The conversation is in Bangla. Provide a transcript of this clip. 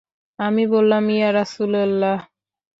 আমি বললাম, ইয়া রাসূলাল্লাহ!